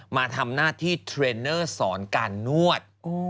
มาทำหน้าที่เทรนเนอร์สอนการนวด